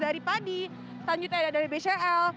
dari padi selanjutnya ada dari bcl